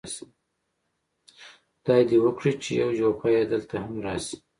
خدای دې وکړي چې یو جوپه یې دلته هم راشي.